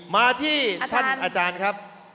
มาที่ท่านอาจารย์ครับ